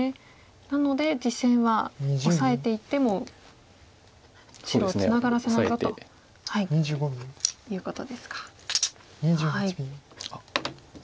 なので実戦はオサえていっても白をツナがらせないぞということですか。